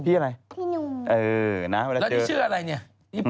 แล้วนี่ชื่ออะไรเนี่ย